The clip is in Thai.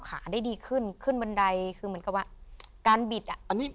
ขาได้ดีขึ้นขึ้นบันไดคือเหมือนกับว่าการบิดอ่ะอันนี้